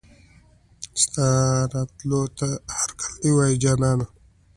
ستا راتلو ته هرکلی وايو جانانه